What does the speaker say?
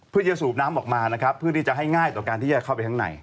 เพื่อจะสูบน้ำออกมานะครับเพื่อที่จะให้ง่ายต่อการที่จะเข้าไปข้างใน